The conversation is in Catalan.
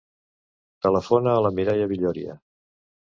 Telefona a la Mireia Villoria.